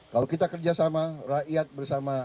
kalau kita kerjasama rakyat bersama